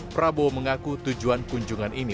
prabowo mengaku tujuan kunjungan ini